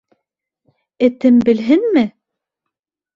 Этем белһенме?